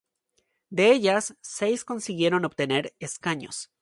De ellas, seis consiguieron obtener escaños.